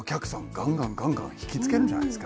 ガンガンガンガン引き付けるんじゃないですか？